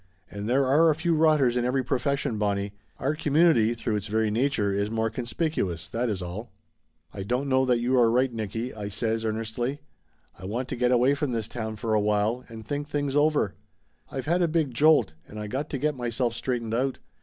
And there are a few rotters in every profession, Bonnie. Our community, through its very nature, is more conspicuous, that is all." 322 Laughter Limited "I don't know that you are right, Nicky!" I says earnestly. "I want to get away from this town for a while, and think things over. I've had a big jolt, and I got to get myself straightened out.